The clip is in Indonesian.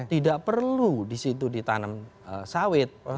tidak perlu di situ ditanam sawit